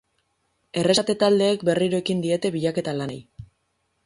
Erreskate taldeek berriro ekin diete bilaketa lanei.